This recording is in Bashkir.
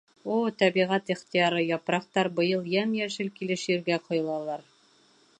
О, тәбиғәт ихтыяры, япраҡтар быйыл йәм-йәшел килеш ергә ҡойолалар.